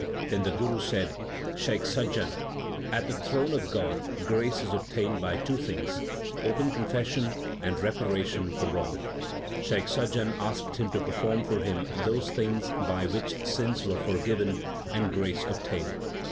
Then the Guru said, Shaikh Sajjan, at the throne of God grace is obtained by two things, open confession and reparation for wrong/ Shaikh Sajjan asked him to perform for him those things by which sins were forgiven and grace ob tained.